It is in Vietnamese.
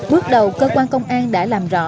bước đầu cơ quan công an đã làm rõ